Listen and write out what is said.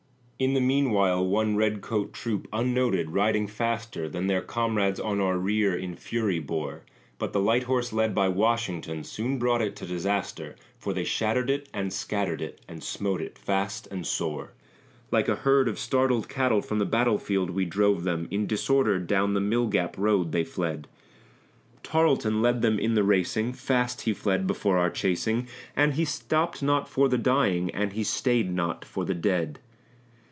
In the meanwhile one red coated troop, unnoted, riding faster Than their comrades on our rear in fury bore; But the light horse led by Washington soon brought it to disaster, For they shattered it and scattered it, and smote it fast and sore. Like a herd of startled cattle from the battlefield we drove them; In disorder down the Mill gap road they fled; Tarleton led them in the racing, fast he fled before our chasing, And he stopped not for the dying, and he stayed not for the dead.